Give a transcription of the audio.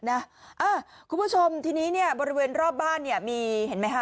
คุณผู้ชมทีนี้เนี่ยบริเวณรอบบ้านเนี่ยมีเห็นไหมคะ